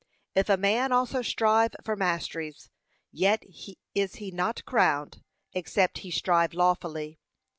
'If a man also strive for masteries, yet is he not crowned, except he strive lawfully.'